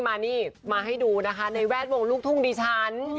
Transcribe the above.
มานี่มาให้ดูนะคะในแวดวงลูกทุ่งดิฉัน